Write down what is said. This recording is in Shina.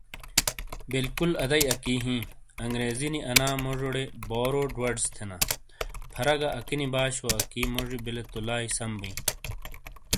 بالکل اَدئی اکی ہیں۔ انگریزی نی انا موجو ڑے "borrowed words" تھینا۔ پھَرا گہ اکینی باشو اکی موجی بِیلے تو لائی سم بِیں۔